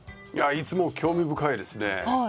いつも興味深いですね。